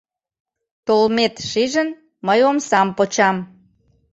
Толмет шижын, мый омсам почам.